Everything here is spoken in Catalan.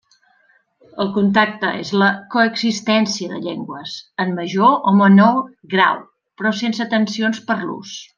El contacte és la coexistència de llengües, en major o menor grau, però sense tensions per l'ús.